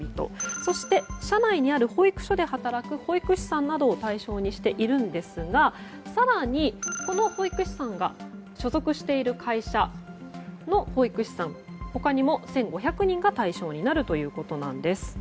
そして、社内にある保育所で働く保育士さんなど対象にしているんですが更に、この保育士さんが所属している会社の保育士さん他にも１５００人が対象になるということです。